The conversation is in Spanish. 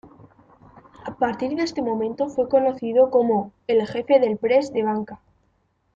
A partir de este momento fue conocido como el "jefe del press de banca".